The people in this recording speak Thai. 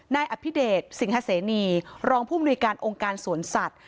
นายอภิเดชสิงหาเสนีรองผู้มนุยการองค์การสวนสัตว